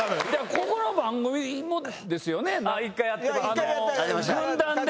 ここの番組もですよね軍団で。